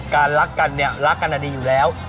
รักกันเนี่ยรักกันดีอยู่แล้ว